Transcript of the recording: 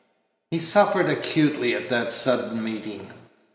He suffered acutely at that sudden meeting.